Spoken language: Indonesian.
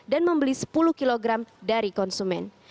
dan membeli sepuluh kg dari konsumen